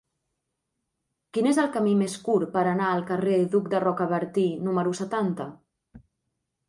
Quin és el camí més curt per anar al carrer d'Hug de Rocabertí número setanta?